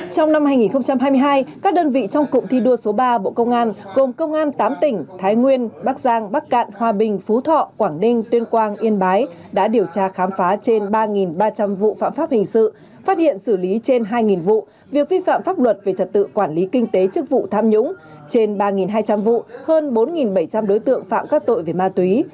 trong năm hai nghìn hai mươi hai các đơn vị trong cụm thi đua số ba bộ công an gồm công an tám tỉnh thái nguyên bắc giang bắc cạn hòa bình phú thọ quảng ninh tuyên quang yên bái đã điều tra khám phá trên ba ba trăm linh vụ phạm pháp hình sự phát hiện xử lý trên hai vụ việc vi phạm pháp luật về trật tự quản lý kinh tế chức vụ tham nhũng trên ba hai trăm linh vụ hơn bốn bảy trăm linh đối tượng phạm các tội về ma túy